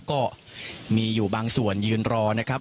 ก็มีอยู่บางส่วนยืนรอนะครับ